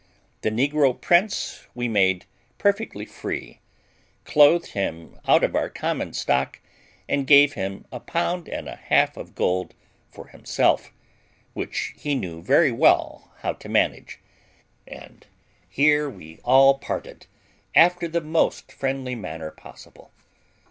The negro prince we made perfectly free, clothed him out of our common stock, and gave him a pound and a half of gold for himself, which he knew very well how to manage; and here we all parted after the most friendly manner possible.